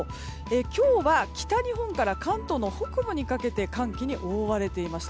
今日は北日本から関東の北部にかけて寒気に覆われていました。